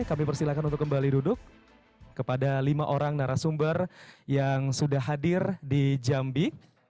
kami persilahkan untuk kembali duduk kepada lima orang narasumber yang sudah hadir di jambi